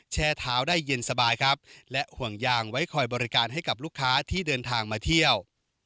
แช่เท้าได้เย็นสบายครับและห่วงยางไว้คอยบริการให้กับลูกค้าที่เดินทางมาเที่ยว